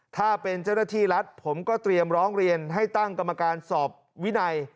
ถ้าเป็นเจ้าหน้าที่รัฐผมก็เตรียมร้องเรียนให้ตั้งกรรมการสอบวินัย